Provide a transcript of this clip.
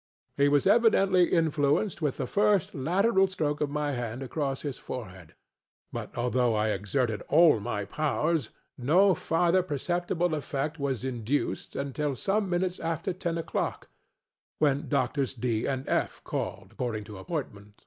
He was evidently influenced with the first lateral stroke of my hand across his forehead; but although I exerted all my powers, no further perceptible effect was induced until some minutes after ten oŌĆÖclock, when Doctors DŌĆöŌĆö and FŌĆöŌĆö called, according to appointment.